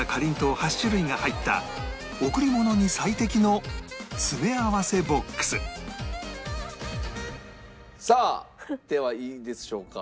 ８種類が入った贈り物に最適の詰め合わせボックスさあではいいでしょうか。